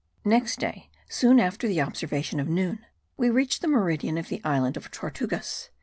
Next day, soon after the observation of noon, we reached the meridian of the island of Tortugas.